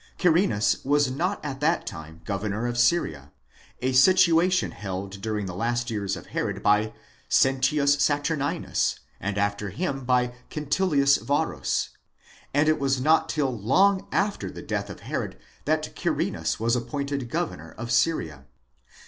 Quirinus was not at that time governor of Syria, a situation held during the last years of Herod by Sentius Saturninus, and after him by Quintilius Varus ; and it was not till long after the death of Herod that Quirinus was appointed governor of Syria.